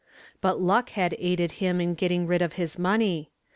But luck had aided him in getting rid of his money.